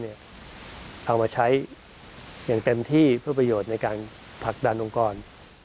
เอามาใช้อย่างเต็มที่เพื่อประโยชน์ในการผลักดันองค์กร